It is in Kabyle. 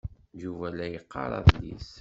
Yuba la yeqqar adlis.